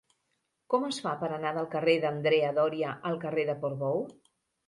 Com es fa per anar del carrer d'Andrea Doria al carrer de Portbou?